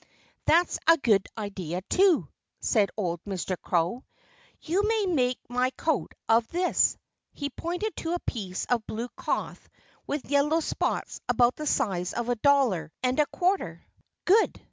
"That's a good idea, too," said old Mr. Crow. "You may make my coat of this!" He pointed to a piece of blue cloth with yellow spots about the size of a dollar and a quarter. "Good!"